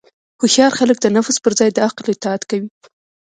هوښیار خلک د نفس پر ځای د عقل اطاعت کوي.